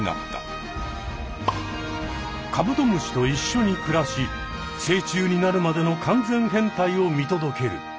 カブトムシといっしょに暮らし成虫になるまでの完全変態を見届ける。